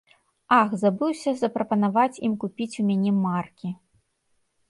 Ах, забыўся запрапанаваць ім купіць у мяне маркі!